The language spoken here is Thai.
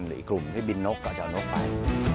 หรืออีกกลุ่มที่บินนกก็จะเอานกไป